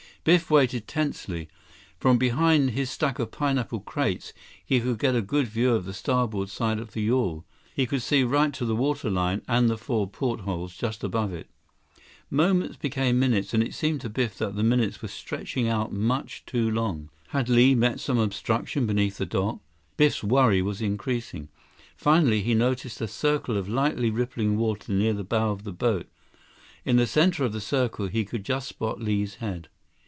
Biff waited tensely. From behind his stack of pineapple crates, he could get a good view of the starboard side of the yawl. He could see right to the water line and the four portholes just above it. Moments became minutes, and it seemed to Biff that the minutes were stretching out much too long. Had Li met some obstruction beneath the dock? Biff's worry was increasing. Finally, he noticed a circle of lightly rippling water near the bow of the boat. In the center of the circle, he could just spot Li's head.